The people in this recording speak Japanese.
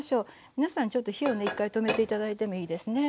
皆さんちょっと火をね１回止めて頂いてもいいですね。